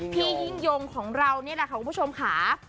พี่ยิ่งยงของเรานี่แหละค่ะคุณผู้ชมค่ะ